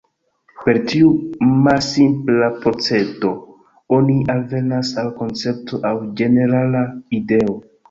Per tiu malsimpla procedo, oni alvenas al koncepto aŭ ĝenerala ideo.